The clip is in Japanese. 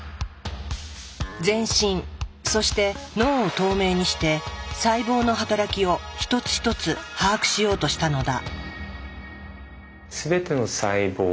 全身そして脳を透明にして細胞の働きを一つ一つ把握しようとしたのだ。